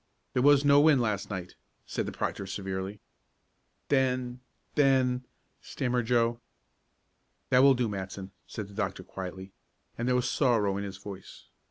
"There was no wind last night," said the proctor severely. "Then then " stammered Joe. "That will do, Matson," said the doctor quietly, and there was sorrow in his voice.